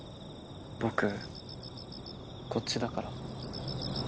僕こっちだから。